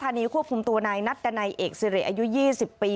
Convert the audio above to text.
กล้าธานีควบคุมตัวนายนัดดันัยเอกซีเรียอายุ๒๐ปี